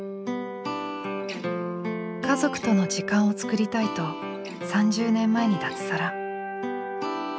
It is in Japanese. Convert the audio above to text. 家族との時間を作りたいと３０年前に脱サラ。